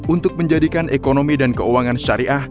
untuk menjadikan ekonomi dan keuangan syariah